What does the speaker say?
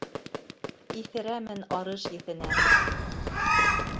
Иҫерәмен арыш еҫенә...